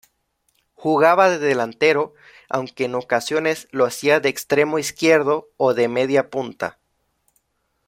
Jugaba de delantero, aunque en ocasiones lo hacía de extremo izquierdo o de mediapunta.